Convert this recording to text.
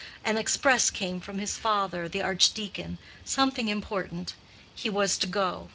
An express came from his father, the archdeacon; something important; he was to go.